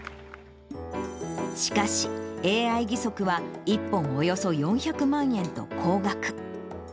しかし、ＡＩ義足は１本およそ４００万円と高額。